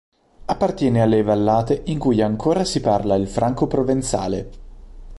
Appartiene alle vallate in cui ancora si parla il Franco-provenzale